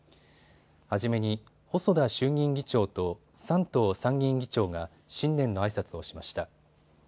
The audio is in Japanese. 初めに細田衆議院議長と山東参議院議長が新年のあいさつをしました。